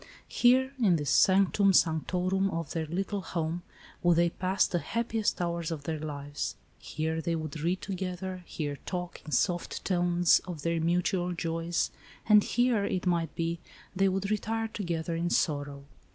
Here, in this sanctum sanctorum of their little home, would they pass the happiest hours of their lives. Here they would read together, here talk, in soft tones, of their mutual joys, and here, it might be, they would retire together in sorrow.